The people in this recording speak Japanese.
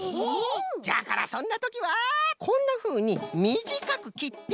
じゃからそんなときはこんなふうにみじかくきってはる。